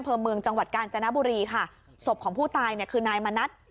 อำเภอเมืองจังหวัดกาญจนบุรีค่ะศพของผู้ตายเนี่ยคือนายมณัฐ